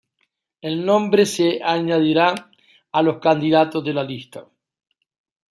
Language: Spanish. El nombre se añadirá a los candidatos de la lista.